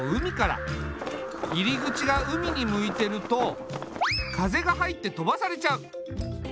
入り口が海に向いてると風が入って飛ばされちゃう。